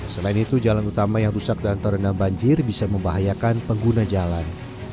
selain itu jalan utama yang rusak dan terendam banjir bisa membahayakan pengguna jalan